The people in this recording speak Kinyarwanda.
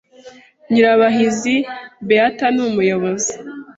Nyirabahizi Beatha ni umuyobozi,